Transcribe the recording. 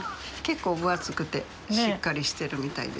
結構分厚くてしっかりしてるみたいですね。